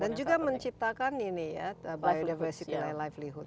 dan juga menciptakan ini ya biodiversity and livelihood